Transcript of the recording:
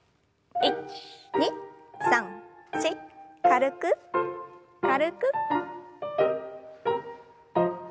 １２３４軽く軽く。